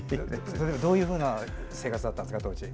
どういうふうな生活だったんですか、当時。